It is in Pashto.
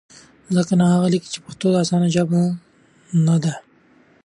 ځکه نو هغه لیکي، چې پښتو د اسانه ژوند ژبه نه ده؛